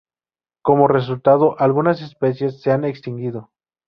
Como resultado, algunas especies se han extinguido.